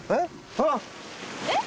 あっえっ？